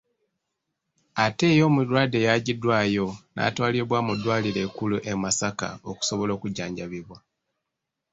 Ate ye omulwadde yaggiddwayo n'atwalibwa mu ddwaliro ekkulu e Masaka okusobola okujjanjabibwa.